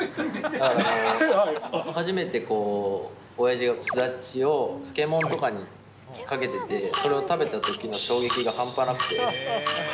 初めておやじがすだちを漬物とかにかけてて、それを食べたときの衝撃が半端なくて。